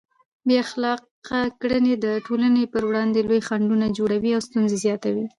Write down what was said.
بې اخلاقه کړنې د ټولنې پر وړاندې لوی خنډونه جوړوي او ستونزې زیاتوي.